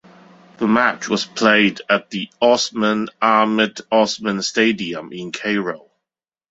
The match was played at the Osman Ahmed Osman Stadium in Cairo.